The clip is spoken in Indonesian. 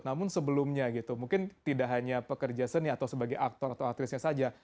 namun sebelumnya gitu mungkin tidak hanya pekerja seni atau sebagai aktor atau aktrisnya saja